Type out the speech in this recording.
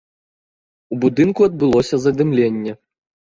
У будынку адбылося задымленне.